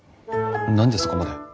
何でそこまで。